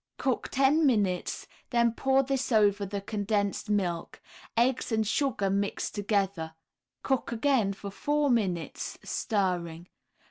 Cook ten minutes, then pour this over the condensed milk, eggs and sugar mixed together; cook again for four minutes, stirring.